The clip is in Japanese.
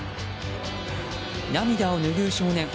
涙をぬぐう少年。